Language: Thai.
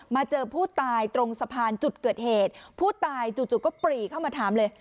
เจอผู้ตายตรงสะพานจุดเกิดเหตุผู้ตายจู่ก็ปรีเข้ามาถามเลย